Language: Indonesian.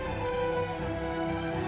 bapak hakim yang mulia